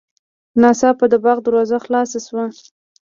ناڅاپه د باغ دروازه خلاصه شوه.